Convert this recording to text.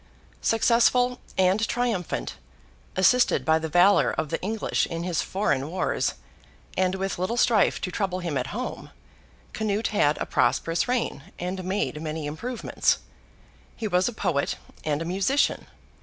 Successful and triumphant, assisted by the valour of the English in his foreign wars, and with little strife to trouble him at home, Canute had a prosperous reign, and made many improvements. He was a poet and a musician.